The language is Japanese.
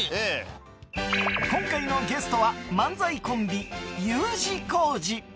今回のゲストは漫才コンビ・Ｕ字工事。